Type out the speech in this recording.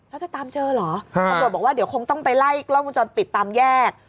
แล้วจะตามเจอเหรอตำรวจบอกว่าเดี๋ยวคงต้องไปไล่กล้องวงจรปิดตามแยก